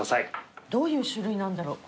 どういう種類なんだろう？